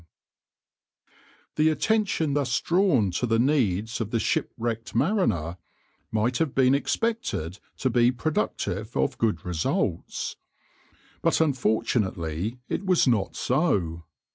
\par The attention thus drawn to the needs of the shipwrecked mariner might have been expected to be productive of good results, but, unfortunately, it was not so.